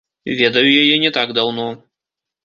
Ведаю яе не так даўно.